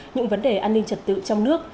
những vấn đề an ninh trật tự trong nước